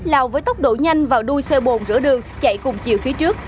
lào với tốc độ nhanh vào đuôi xe bồn rửa đường chạy cùng chiều phía trước